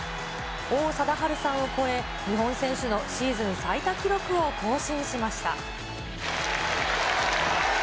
王貞治さんを超え、日本選手のシーズン最多記録を更新しました。